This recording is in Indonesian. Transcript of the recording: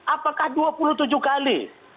apakah dua puluh tujuh kali